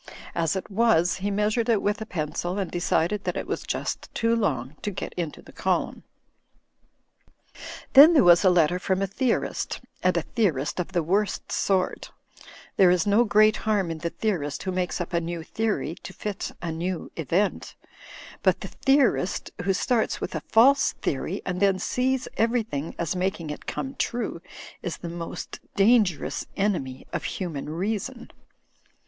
As it was, he measured it with a pencil, and decided that it was just too long to get into the column. Digitized by CjOOQ IC HIGHER CRITICISM AND MR. HIBBS 103 Then there was a letter from a theorist, and a theo rist of the worst sort. There is no great harm in the theorist who makes up a new theory to fit a new event But the theorist who starts with a false theory and then sees everything as making it come true is the most dangerous enemy of human reason.